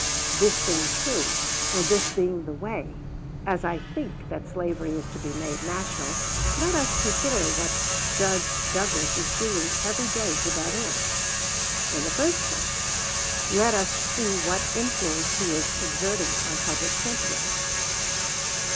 This being true, and this being the way, as I think, that slavery is to be made national, let us consider what Judge Douglas is doing every day to that end. In the first place, let us see what influence he is exerting on public sentiment.